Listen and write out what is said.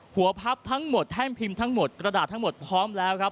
พับทั้งหมดแท่นพิมพ์ทั้งหมดกระดาษทั้งหมดพร้อมแล้วครับ